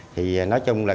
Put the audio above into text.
thì nói chung là